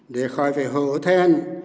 để khỏi phải hổ then